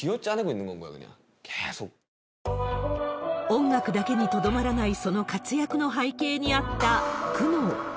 音楽だけにとどまらない、その活躍の背景にあった苦悩。